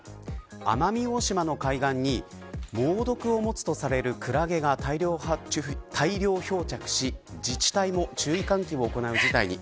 奄美大島の海岸に猛毒を持つとされるクラゲが大量漂着し、自治体も注意喚起を行う事態に。